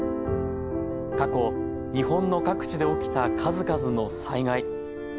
過去日本の各地で起きた数々の災害。